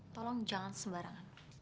tolong jangan sembarangan